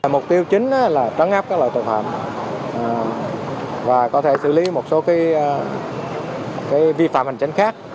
mục tiêu chính là trắng ngắp các loại tội phạm và có thể xử lý một số vi phạm hành tránh khác